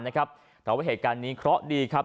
แต่ว่าเหตุการณ์นี้เคราะห์ดีครับ